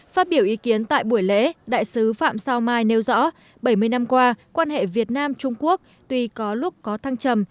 phát biểu ý kiến tại buổi lễ đại sứ phạm sao mai nêu rõ bảy mươi năm qua quan hệ việt nam trung quốc tuy có lúc có thăng trầm